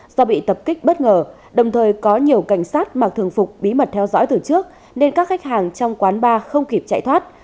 do bị tập kích bất ngờ đồng thời có nhiều cảnh sát mặc thường phục bí mật theo dõi từ trước nên các khách hàng trong quán bar không kịp chạy thoát